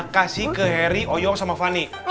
kasih ke harry oyoung sama fanny